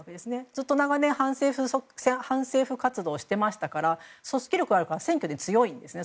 ずっと長年、反政府活動をしていましたから組織力がありますから選挙で強いんですね